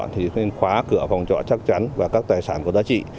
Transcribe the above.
thì nên khóa cửa phòng trọ chắc chắn và các tài sản có giá trị